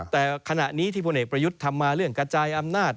แต่ขณะนี้ที่พลเอกประยุทธ์ทำมาเรื่องกระจายอำนาจ